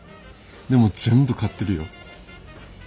でも全部買ってるよ。